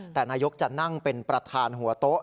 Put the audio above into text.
แต่นายกจะนั่งเป็นประธานหัวโต๊ะ